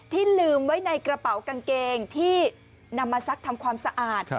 ลืมไว้ในกระเป๋ากางเกงที่นำมาซักทำความสะอาด